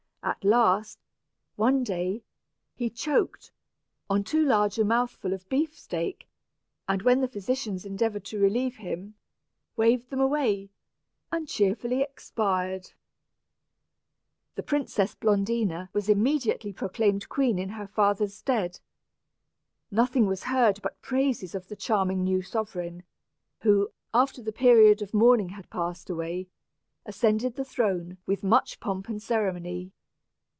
At last, one day, he choked, on too large a mouthful of beefsteak, and when the physicians endeavored to relieve him, waved them away, and cheerfully expired! [Illustration: Vixetta] [Illustration: Blondina.] The Princess Blondina was immediately proclaimed queen in her father's stead. Nothing was heard but praises of the charming new sovereign, who, after the period of mourning had passed away, ascended the throne with much pomp and ceremony.